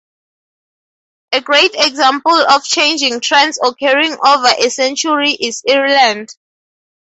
A great example of changing trends occurring over a century is Ireland.